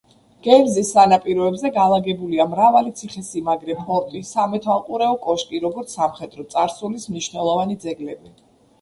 გერნზის სანაპიროებზე განლაგებულია მრავალი ციხე-სიმაგრე, ფორტი, სამეთვალყურეო კოშკი, როგორც სამხედრო წარსულის მნიშვნელოვანი ძეგლები.